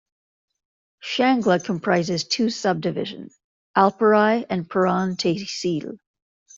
Shangla comprises two sub division, Alpuri and Puran Tehsil.